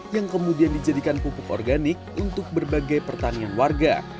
yang kemudian dijadikan pupuk organik untuk berbagai pertanian warga